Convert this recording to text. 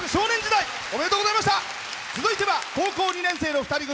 続いては高校２年生の２人組。